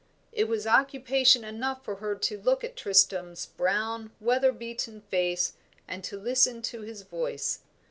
It was occupation enough for her to look at Tristam's brown, weather beaten face, and to listen to his voice.